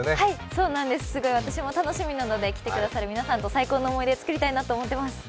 そうなんです、私も楽しみなのできてくださる皆さんと最高な思い出を作りたいと思っています。